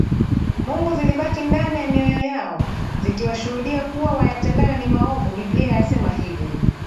Mungu zilibaki ndani ya mioyo yao zikiwashuhudia kuwa wayatendayo ni maovu Biblia yasema hivi